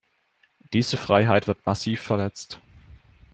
Diese Freiheit wird massiv verletzt.